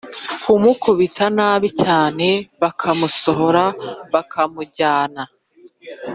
kumukubita nabi cyane bakamusohora bakamujyana